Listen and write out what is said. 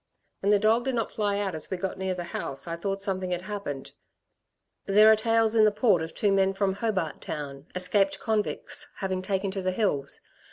"When the dog did not fly out as we got near the house I thought something had happened. There are tales in the Port of two men from Hobart Town, escaped convicts, having taken to the hills.